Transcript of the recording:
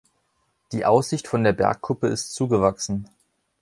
Die Aussicht von der Bergkuppe ist zugewachsen.